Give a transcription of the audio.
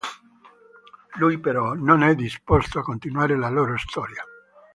Lui, però, non è disposto a continuare la loro storia.